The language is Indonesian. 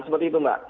seperti itu mbak